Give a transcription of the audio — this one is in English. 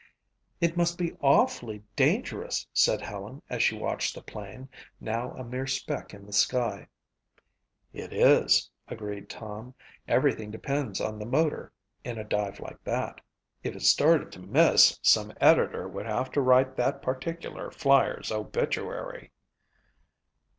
"It must be awfully dangerous," said Helen as she watched the plane, now a mere speck in the sky. "It is," agreed Tom. "Everything depends on the motor in a dive like that. If it started to miss some editor would have to write that particular flyer's obituary."